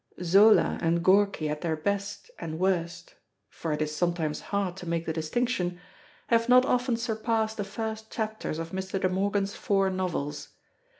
Zola and Gorky at their best, and worst for it is sometimes hard to make the distinction have not often surpassed the first chapters of Mr. De Morgan's four novels.